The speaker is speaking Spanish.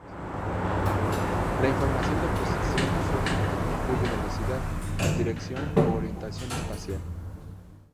La información de posición usualmente no incluye velocidad, dirección u orientación espacial.